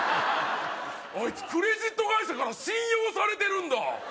あいつクレジット会社から信用されてるんだ